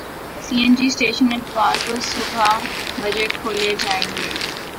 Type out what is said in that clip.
سی N G station اتوار کو صبح بجے کھولے جائیں گے